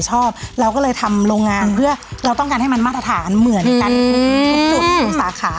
เราก็เลยทำโรงงานเพื่อเราต้องการให้มันมาตรฐานเหมือนกันทุกจุดทุกสาขา